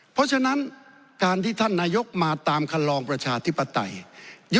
เพราะฉะนั้นการที่ท่านนายกมาตามคันลองประชาธิปไตย